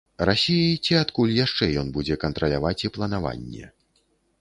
Расіі ці адкуль яшчэ, ён будзе кантраляваць і планаванне.